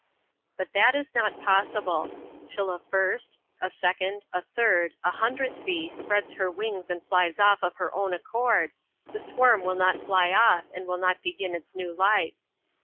But that is not possible; till a first, a second, a third, a hundredth bee spreads her wings and flies off of her own accord, the swarm will not fly off and will not begin its new life.